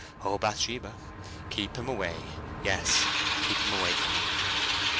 Oh, Bathsheba, keep him away—yes, keep him away from me!"